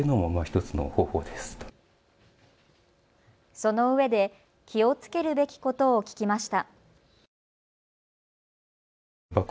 そのうえで気をつけるべきことを聞きました。